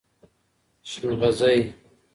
شینغرۍ